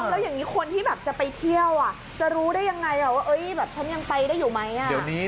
แล้วอย่างนี้คนที่แบบจะไปเที่ยวจะรู้ได้ยังไงว่าแบบฉันยังไปได้อยู่ไหม